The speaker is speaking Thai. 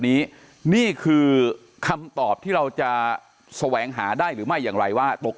นี้นี่คือคำตอบที่เราจะแสวงหาได้หรือไม่อย่างไรว่าตก